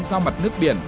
do mặt nước biển